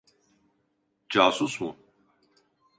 Casus mu?